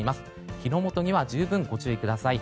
火の元には十分ご注意ください。